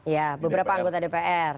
ya beberapa anggota dpr